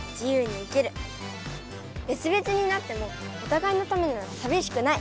べつべつになってもおたがいのためならさびしくない。